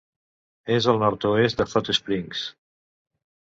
És al nord-oest de Hot Springs.